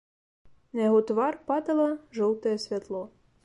На яго твар падала жоўтае святло.